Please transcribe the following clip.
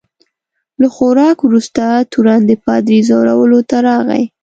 له خوراک وروسته تورن د پادري ځورولو ته راغی.